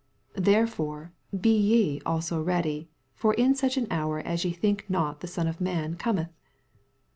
44 Therefore be ye also ready : for in such an hour as ye think not the Son of man cometh.